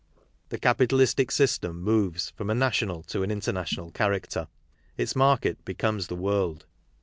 The capitalistic system moves from a national to an international character; its market becomes the world.